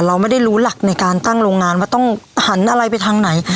เราไม่ได้รู้หลักในการตั้งโรงงานว่าต้องหันอะไรไปทางไหน